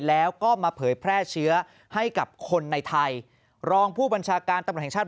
แล้วก็มาเผยแพร่เชื้อให้กับคนในไทยรองผู้บัญชาการตำรวจแห่งชาติ